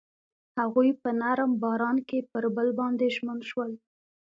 هغوی په نرم باران کې پر بل باندې ژمن شول.